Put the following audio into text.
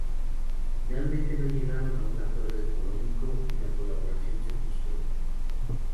Finalmente, no llegaron a un acuerdo económico y la colaboración se frustró.